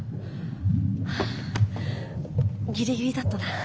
ギリギリだったな。